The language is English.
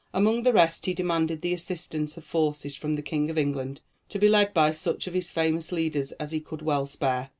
Among the rest he demanded the assistance of forces from the King of England, to be led by such of his famous leaders as he could well spare.